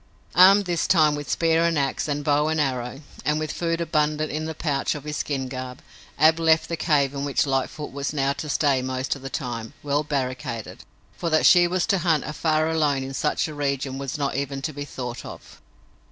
Armed, this time with spear and ax and bow and arrow, and with food abundant in the pouch of his skin garb, Ab left the cave in which Lightfoot was now to stay most of the time, well barricaded, for that she was to hunt afar alone in such a region was not even to be thought of.